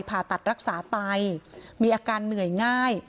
ผ่าตัดรักษาไตมีอาการเหนื่อยง่าย